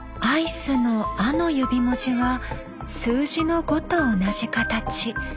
アイスの「ア」の指文字は数字の５と同じ形。